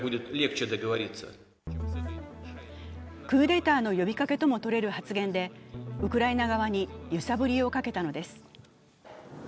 クーデターの呼びかけともとれる発言でウクライナ側に揺さぶりをかけたのです。